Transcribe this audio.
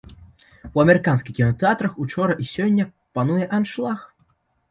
У амерыканскіх кінатэатрах учора і сёння пануе аншлаг.